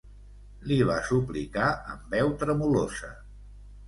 Li va suplicar, amb veu tremolosa.